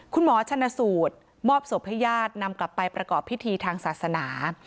คุณหมอชนสูตรมอบศพให้ญาตินำกลับไปประกอบพิธีทางศาสนา